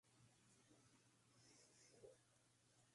El mismo año compuso la samba "Ronda".